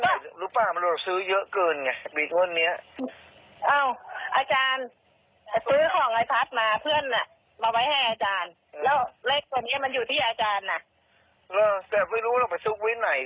เนี้ยเพื่อนเนี้ยแผงของไอ้พัดนะเพื่อนกันนะเห็นไหม